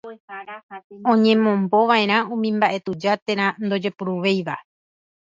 oñemombova'erã umi mba'e tuja térã ndojepuruvéiva